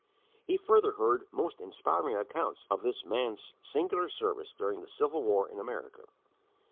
He further heard most inspiring accounts of this man's singular service during the Civil War in America.